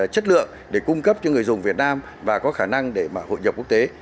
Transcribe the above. chất lượng để cung cấp cho người dùng việt nam và có khả năng để mà hội nhập quốc tế